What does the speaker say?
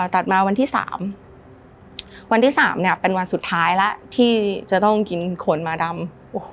ตัดมาวันที่๓วันที่๓เนี่ยเป็นวันสุดท้ายแล้วที่จะต้องกินขนหมาดำ